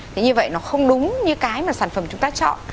thì như vậy nó không đúng như cái mà sản phẩm chúng ta chọn